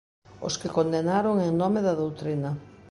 Os que condenaron en nome da doutrina.